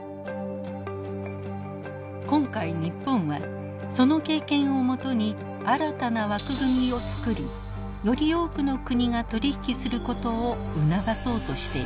今回日本はその経験をもとに新たな枠組みを作りより多くの国が取り引きすることを促そうとしています。